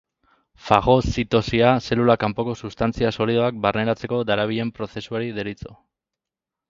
Fagozitosia, zelulak kanpoko substantzia solidoak barneratzeko darabilen prozesuari deritzo.